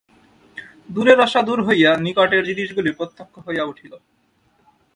দূরের আশা দূর হইয়া নিকটের জিনিসগুলি প্রত্যক্ষ হইয়া উঠিল।